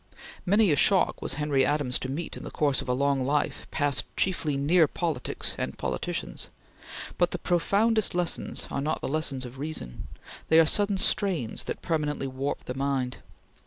Many a shock was Henry Adams to meet in the course of a long life passed chiefly near politics and politicians, but the profoundest lessons are not the lessons of reason; they are sudden strains that permanently warp the mind.